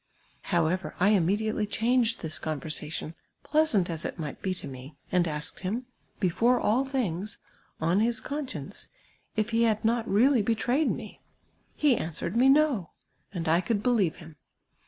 However, I immediately chanf:;ed tliis conver sation, ])leasant as it mii^ht be to me, and asked him, before all thinirs, on his conscience, if he had not reallv betraved me ? JIc answered me, " No !'' and 1 could believe liim.